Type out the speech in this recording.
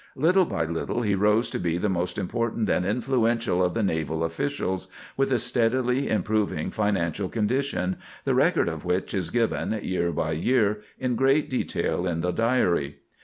Little by little he rose to be the most important and influential of the naval officials, with a steadily improving financial condition, the record of which is given, year by year, in great detail in the Diary.